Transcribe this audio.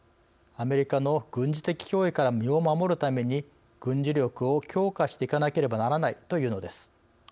アメリカの軍事的脅威から身を守るために軍事力を強化していかなければならないというのです。